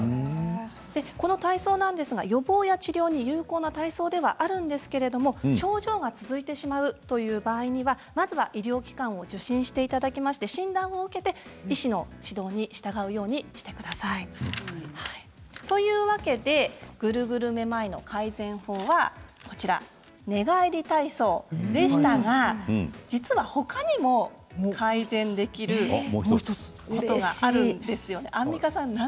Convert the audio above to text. この体操ですが予防や治療に有効な体操ではあるんですけれど症状が続いてしまうという場合にはまずは医療機関を受診していただいて診断を受けて医師の指導に従うようにしてください。というわけでグルグルめまいの改善法は寝返り体操でしたが実は他にも改善できることがあるんです。